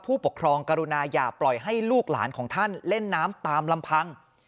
ผู้ปกครองกรุณาอย่าปล่อยให้ลูกหลานของท่านเล่นน้ำตามลำพัง